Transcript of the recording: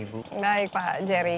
baik pak jerry